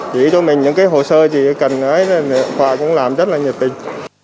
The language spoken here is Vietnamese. chỉ cho mình những cái hồ sơ thì cần họ cũng làm rất là nhiệt tình